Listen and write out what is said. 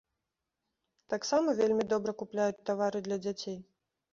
Таксама вельмі добра купляюць тавары для дзяцей.